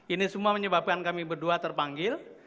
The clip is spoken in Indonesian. ini semua menyebabkan kami berdua terpanggil